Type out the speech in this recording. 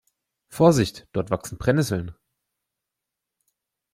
Vorsicht, dort wachsen Brennnesseln.